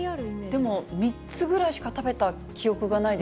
でも３つぐらいしか食べた記憶がないです。